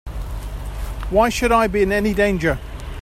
Why should I be in any danger?